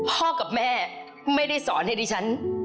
พ่อกับแม่ไม่ได้สอนให้ดิฉัน